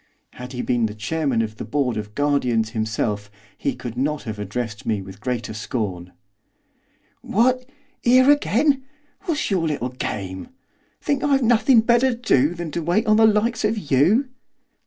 Had he been the Chairman of the Board of Guardians himself he could not have addressed me with greater scorn. 'What, here again! What's your little game? Think I've nothing better to do than to wait upon the likes of you?